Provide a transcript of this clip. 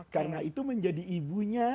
karena itu menjadi ibunya